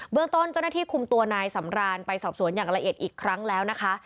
เรื่องต้นเจ้าหน้าที่คุมตัวนายสำรานไปสอบสวนอย่างละเอียดอีกครั้งแล้วนะคะ